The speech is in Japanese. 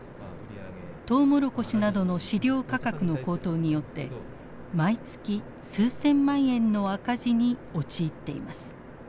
トウモロコシなどの飼料価格の高騰によって毎月数千万円の赤字に陥っています。